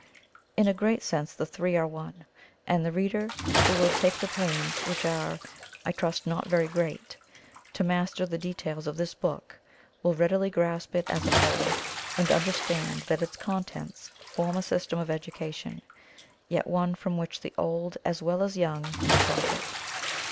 In a certain sense the three are one, and the reader who will take the pains, which are, I trust, not very great, to master the details of this book, will readily grasp it as a whole, and understand that its contents form a system of education, yet one from which the old as well as young may profit.